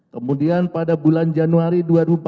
kemudian pada bulan januari dua ribu empat belas